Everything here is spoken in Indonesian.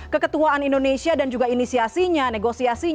keketuaan indonesia dan juga inisiasinya negosiasinya yang bisa kita luluskan